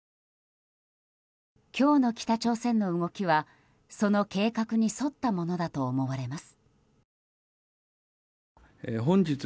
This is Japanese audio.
今日の北朝鮮の動きはその計画に沿ったものだと思われます。